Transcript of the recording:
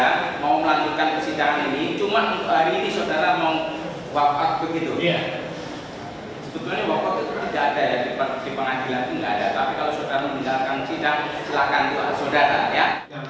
tapi kalau saudara meninggalkan sidang silakan itu ada saudara ya